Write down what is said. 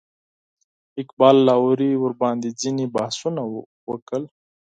اقبال لاهوري ورباندې ځینې بحثونه وکړل.